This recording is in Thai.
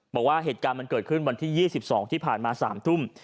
บอกว่าเกิดเกิดขึ้นเมื่อวันที่๒๒ที่ผ่านมาที่๓๐๐ทุ่ม